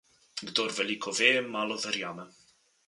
Kdor veliko ve, malo verjame.